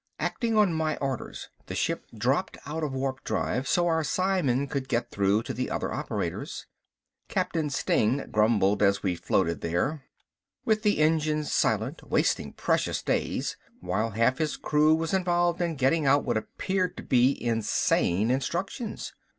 Acting on my orders the ship dropped out of warpdrive so our psiman could get through to the other operators. Captain Steng grumbled as we floated there with the engines silent, wasting precious days, while half his crew was involved in getting out what appeared to be insane instructions.